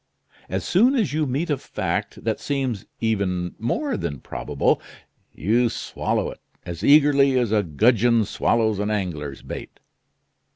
As soon as you meet a fact that seems even more than probable, you swallow it as eagerly as a gudgeon swallows an angler's bait."